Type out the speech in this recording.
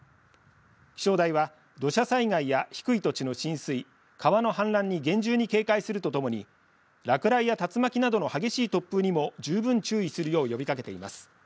気象台は土砂災害や低い土地の浸水川の氾濫に厳重に警戒するとともに落雷や竜巻などの激しい突風にも十分注意するよう呼びかけています。